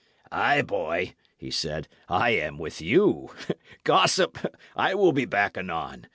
"Ay, boy," he said, "I am with you. Gossip, I will be back anon.